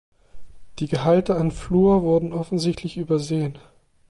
Die Gehalte an Fluor wurden offensichtlich übersehen.